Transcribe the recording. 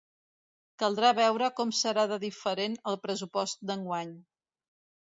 Caldrà veure com serà de diferent el pressupost d’enguany.